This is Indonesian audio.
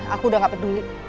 aku udah gak peduli